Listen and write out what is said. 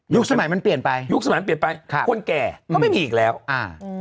สมัยมันเปลี่ยนไปยุคสมัยเปลี่ยนไปค่ะคนแก่ก็ไม่มีอีกแล้วอ่าอืม